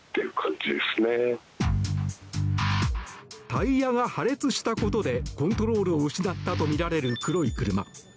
タイヤが破裂したことでコントロールを失ったとみられる黒い車。